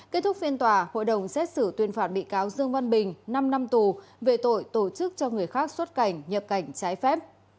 kết thúc phiên tòa hội đồng xét xử tuyên phạt bị cáo dương văn bình năm năm tù về tội tổ chức cho người khác xuất cảnh nhập cảnh trái phép